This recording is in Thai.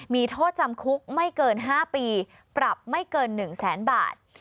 มีทอดจำคุกไม่เกินห้าปีปรับไม่เกินหนึ่งแสนบาท